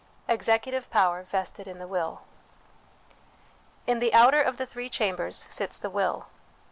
Executive Power vested in the Will. In the outer of the three chambers sits the Will.